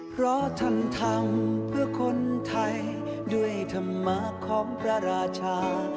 เพราะท่านทำเพื่อคนไทยด้วยธรรมะของพระราชา